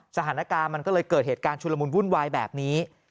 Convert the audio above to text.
สถานการณ์มันก็เลยเกิดเหตุการณ์ชุลมุนวุ่นวายแบบนี้